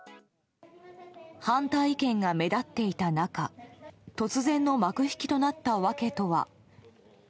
反対意見が目立っていた中突然の幕引きとなった訳とは。